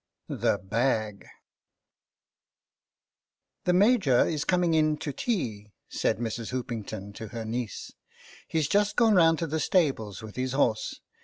THE BAG ^TT^HE Major is coming in to tea," said Mrs. X Hoopington to her niece. " He's just gone round to the stables with his horse.